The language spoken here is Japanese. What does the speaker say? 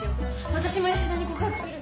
私も吉田に告白する！